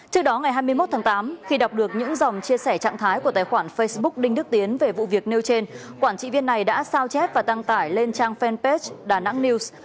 trước đó ngày hai mươi một tháng tám khi đọc được những dòng chia sẻ trạng thái của tài khoản facebook đinh đức tiến về vụ việc nêu trên quản trị viên này đã sao chép và đăng tải lên trang fanpage đà nẵng news